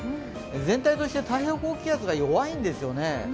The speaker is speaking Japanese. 全体として、太平洋高気圧が弱いんですよね。